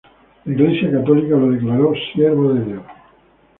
La Iglesia católica lo declaró "Siervo de Dios".